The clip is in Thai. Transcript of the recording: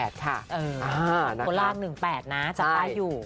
เออตัวล่าง๑๘นะจำได้อยู่